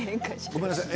ごめんなさい。